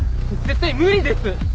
絶対無理です！